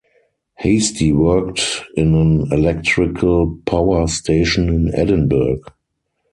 Hastie worked in an electrical power station in Edinburgh.